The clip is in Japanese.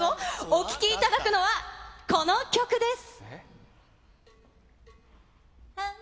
お聴きいただくのは、この曲です。